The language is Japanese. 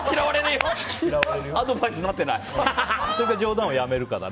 アドバイスになってない。